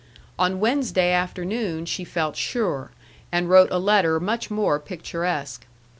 On Wednesday afternoon she felt sure, and wrote a letter much more picturesque.